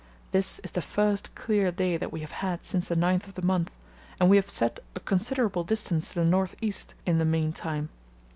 This is the first clear day that we have had since the 9th of the month, and we have set a considerable distance to the north east in the meantime.